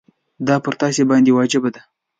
دا پر تاسي باندي واجبه ده.